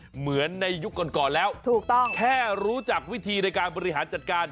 เหมือนในยุคก่อนก่อนแล้วถูกต้องแค่รู้จักวิธีในการบริหารจัดการ